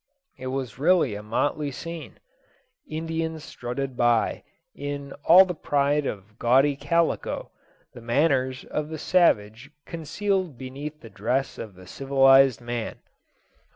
It was really a motley scene. Indians strutted by in all the pride of gaudy calico, the manners of the savage concealed beneath the dress of the civilized man.